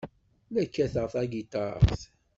La kkateɣ tagiṭart.